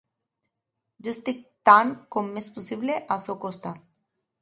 Jo estic tant com m'és possible al seu costat.